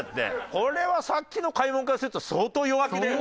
これはさっきの買い物からすると相当弱気だよね。